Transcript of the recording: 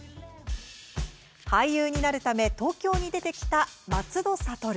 俳優になるため東京に出てきた松戸諭。